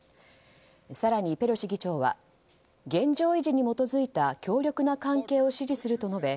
更に、ペロシ議長は現状維持に基づいた強力な関係を支持すると述べ